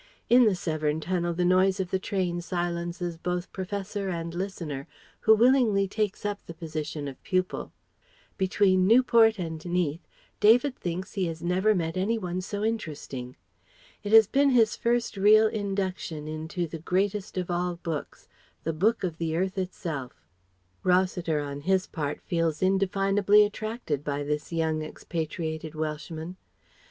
In the Severn Tunnel the noise of the train silences both professor and listener, who willingly takes up the position of pupil. Between Newport and Neath, David thinks he has never met any one so interesting. It has been his first real induction into the greatest of all books: the Book of the Earth itself. Rossiter on his part feels indefinably attracted by this young expatriated Welshman.